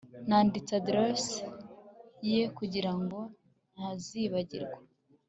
Nanditse adresse ye kugirango ntazibagirwa